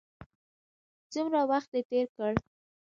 څومره وخت دې تېر کړ.